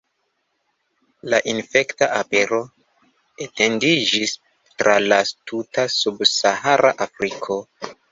La infekta apero etendiĝis tra la tuta Subsahara Afriko.